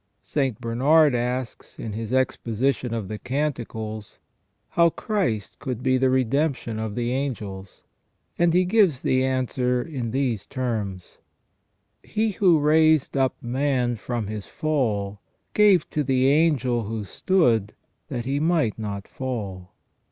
St. Bernard asks in his exposition of the Canticles, how Christ could be the redemption of the angels ? And he gives the answer in these terms :" He who raised up man from his fall gave to the angel who stood that he might not fall.